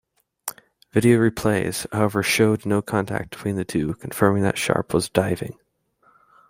Video replays, however, showed no contact between the two, confirming that Sharp was diving.